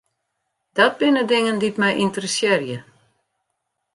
Dat binne dingen dy't my ynteressearje.